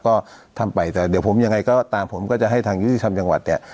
ก็ทำไปแต่เดี๋ยวผมยังไงก็ตามผมก็จะให้ทางยุทธิธรรมจังหวัดเนี่ย